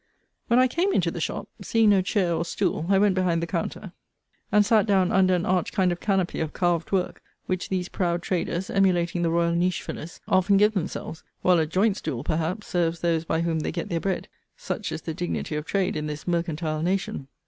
When I came into the shop, seeing no chair or stool, I went behind the compter, and sat down under an arched kind of canopy of carved work, which these proud traders, emulating the royal niche fillers, often give themselves, while a joint stool, perhaps, serves those by whom they get their bread: such is the dignity of trade in this mercantile nation!